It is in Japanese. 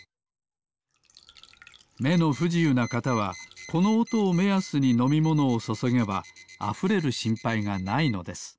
めのふじゆうなかたはこのおとをめやすにのみものをそそげばあふれるしんぱいがないのです。